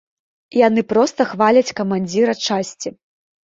Яны проста хваляць камандзіра часці.